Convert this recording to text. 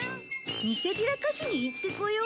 見せびらかしに行ってこよう。